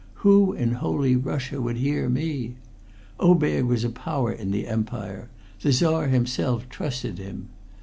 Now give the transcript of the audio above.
Who in holy Russia would hear me? Oberg was a power in the Empire; the Czar himself trusted him.